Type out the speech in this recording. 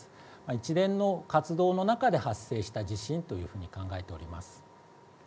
一連の活動の中で発生した地震というふうに考えております。